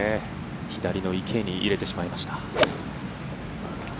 左の池に入れてしまいました。